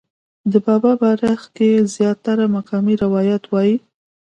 د بابا باره کښې زيات تره مقامي روايات وائي